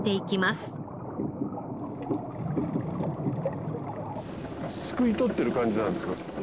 すくい取ってる感じなんですか？